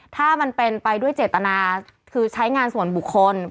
ถ้ามันเป็นไปด้วยเจตนาคือใช้งานส่วนบุคคล